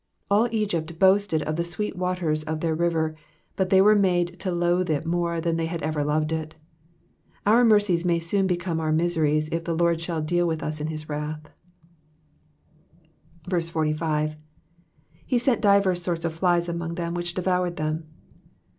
All Egypt boasted of the sweet waters of their river, but they were made to loathe it more than they had ever loved it. Our mercies may soon become our miseries if the Lord shall deal with us in wrath. 45. "He sent differs sorts of flies among them^ which devoured them.'